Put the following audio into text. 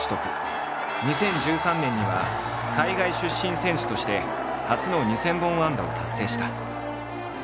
２０１３年には海外出身選手として初の２，０００本安打を達成した。